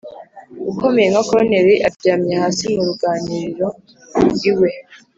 ukomeye nka koloneli aryamye hasi mu ruganiriro iwe,